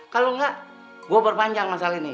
kalo ga gue berpanjang masalah ini